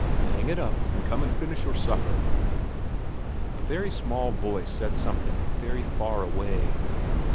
' 'Ang it up, and come and finish your supper.' A very small voice said something very far away.